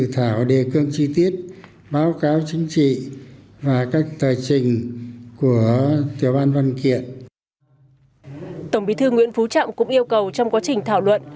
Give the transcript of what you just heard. tổng bí thư nguyễn phú trọng cũng yêu cầu trong quá trình thảo luận